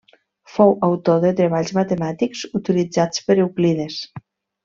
Fou autor de treballs matemàtics utilitzats per Euclides.